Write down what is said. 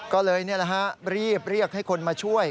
ก็เลยรีบเรียกให้คนมาช่วย